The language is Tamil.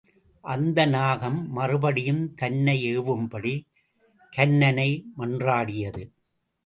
அந்த நாகம் மறுபடியும் தன்னை ஏவும்படி கன்னனை மன்றாடியது.